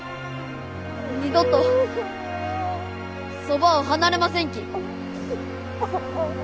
二度とそばを離れませんき。